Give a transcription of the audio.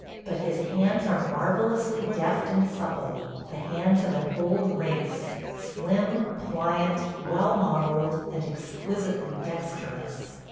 But his hands are marvellously deft and supple – the hands of an old race, slim, pliant, well modelled, and exquisitely dexterous.